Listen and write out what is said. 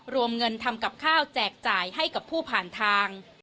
รวมเงินทำกับข้าวแจกจ่ายให้กับผู้ผ่านทาง